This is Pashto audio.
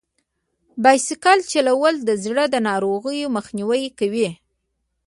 بایسکل چلول د زړه د ناروغیو مخنیوی کوي.